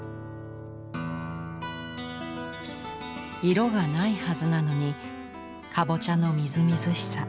色がないはずなのにカボチャのみずみずしさ